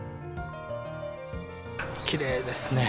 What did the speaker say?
きれいですね。